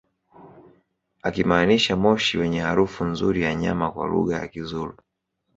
akimaanisha moshi wenye harufu nzuri ya nyama kwa lugha ya kizulu